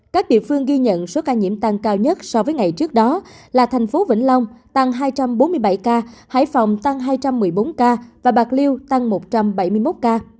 các địa phương ghi nhận số ca nhiễm tăng cao nhất so với ngày trước đó là thành phố vĩnh long tăng hai trăm bốn mươi bảy ca hải phòng tăng hai trăm một mươi bốn ca và bạc liêu tăng một trăm bảy mươi một ca